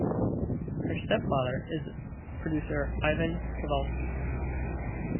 Her stepfather is producer Ivan Kavalsky.